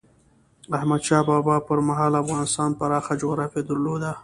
احمد شاه بابا پر مهال افغانستان پراخه جغرافیه درلوده.